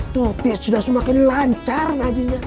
tutik sudah semakin lancar najinnya